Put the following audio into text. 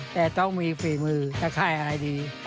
แต่ต้องมีฝีมือตะค่ายอะไรดี